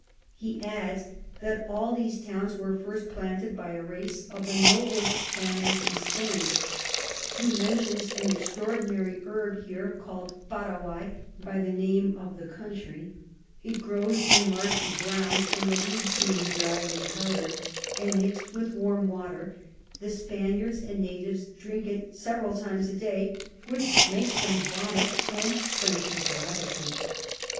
He adds, that all these Towns were first planted by a Race of the noblest Families in Spain. He mentions an extraordinary Herb here call'd Paraguay by the name of the Country; it grows in marshy Grounds, and the Leaves being dry'd and powder'd, and mix'd with warm Water, the Spaniards and Natives drink it several times a day, which makes them vomit, and strengthens their Appetite.